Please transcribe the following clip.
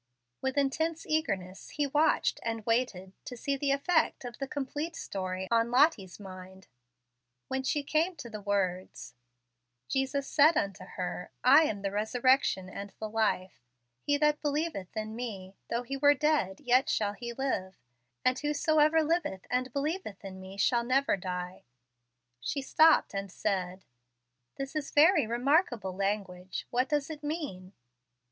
With intense eagerness he watched and waited to see the effect of the complete story on Lottie's mind. When she came to the words, "Jesus said unto her, I am the resurrection and the life: he that believeth in me, though he were dead yet shall he live: and whosoever liveth and believeth in me shall never die," she stopped and said, "This is very remarkable language. What does it mean?"